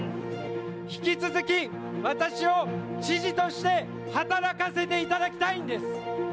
引き続き私を知事として働かせていただきたいんです。